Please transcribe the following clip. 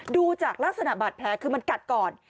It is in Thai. ดูด้วยลักษณะแบบแผลซึ่งมันกัดก่อน